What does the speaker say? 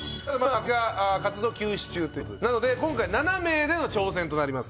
今小林が活動休止中ということでなので今回７名での挑戦となります。